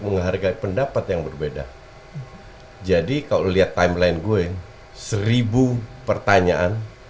menghargai pendapat yang berbeda jadi kalau lihat timeline gue seribu pertanyaan